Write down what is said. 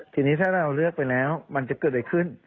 ทีนี้ถ้าเราเลือกไปแล้วมันจะเกิดอะไรขึ้น